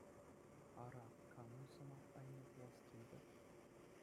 Ара, камӑн сӑмах айне пулас килтӗр?